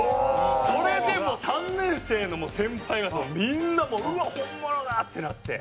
それでもう３年生の先輩方もみんなもううわ本物だ！ってなって。